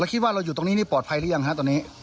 แล้วคิดว่าเราอยู่ตรงนี้ปลอดภัยหรือยังครับตอนนี้